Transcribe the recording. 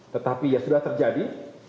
tetapi ya sudah terjadi